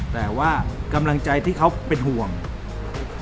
แต่ว่ากำลังใจที่เขาเป็นหุ้นสุขในการทำงานมาก